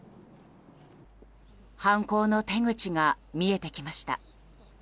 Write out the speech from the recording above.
犯行の手口が見えてきました。